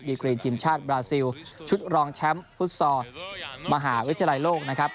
กรีทีมชาติบราซิลชุดรองแชมป์ฟุตซอลมหาวิทยาลัยโลกนะครับ